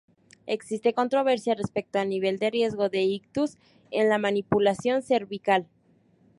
Existe controversia respecto al nivel de riesgo de ictus en la manipulación cervical.